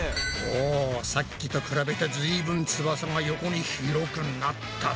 おさっきと比べてずいぶん翼が横に広くなったぞ。